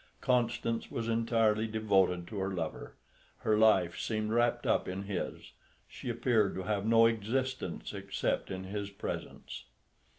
Constance was entirely devoted to her lover; her life seemed wrapped up in his; she appeared to have no existence except in his presence.